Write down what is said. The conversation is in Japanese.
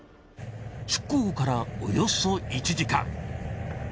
出港からおよそ１時間。